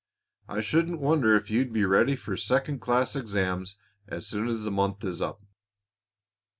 I shouldn't wonder if you'd be ready for second class exams as soon as the month is up."